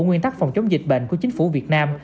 nguyên tắc phòng chống dịch bệnh của chính phủ việt nam